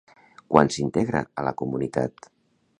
Quan s'integra a la comunitat?